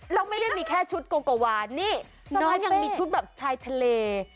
แล้วไม่ได้มีแค่ชุดโกโกวานนี่น้องยังมีชุดแบบชายทะเล